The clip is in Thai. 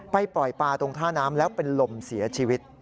ปล่อยปลาตรงท่าน้ำแล้วเป็นลมเสียชีวิต